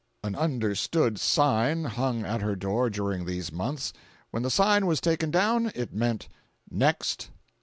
An understood sign hung at her door during these months. When the sign was taken down, it meant "NEXT."